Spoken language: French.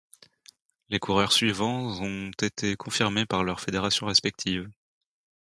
Les coureurs suivants ont été confirmés par leur fédération respective.